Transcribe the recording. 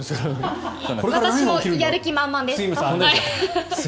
私もやる気満々です。